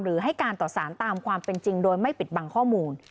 ให้การต่อสารตามความเป็นจริงโดยไม่ปิดบังข้อมูล